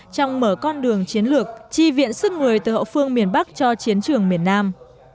trong mở con đường chiến lược chi viện sức người từ hậu phương miền bắc cho chiến trường miền nam